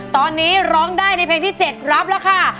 ตอนนี้ร้องได้ในเพลงที่๗รับแล้วค่ะ